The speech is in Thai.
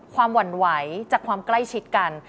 หวั่นไหวจากความใกล้ชิดกัน